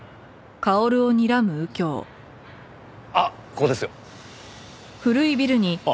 あっここですよ。ああ。